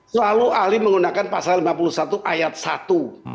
selalu ahli menggunakan pasal lima puluh satu ayat satu